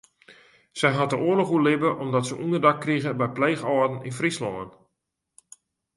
Sy hat de oarloch oerlibbe omdat se ûnderdak krige by pleechâlden yn Fryslân.